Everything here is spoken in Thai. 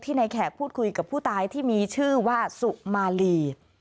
ในแขกพูดคุยกับผู้ตายที่มีชื่อว่าสุมาลี